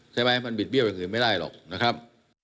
ใช่มั้ยมันมีดเฮียบกันกึ่งไม่ได้หรอกนะครับ